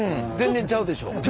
全然ちゃうでしょ？